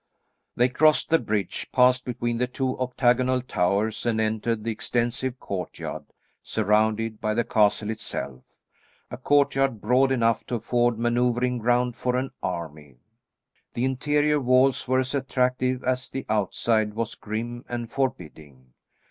They crossed the bridge, passed between the two octagonal towers and entered the extensive courtyard, surrounded by the castle itself; a courtyard broad enough to afford manoevring ground for an army. The interior walls were as attractive as the outside was grim and forbidding.